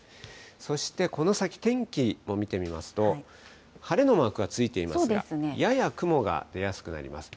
そしてこの先、天気を見てみますと、晴れのマークがついていますが、やや雲が出やすくなります。